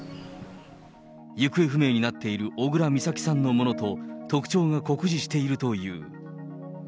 行方不明になっている小倉美咲さんのものと特徴が酷似しているという。